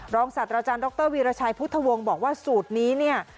รองศาสตราจารย์ดรวิรชัยพุทธวงศ์บอกว่าสูตรนี้